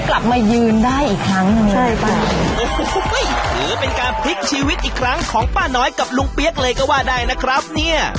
ก็คือเป็นการพลิกชีวิตอีกครั้งของป้าน้อยกับลุงเปี๊ยกเลยก็ว่าได้นะครับเนี๊ย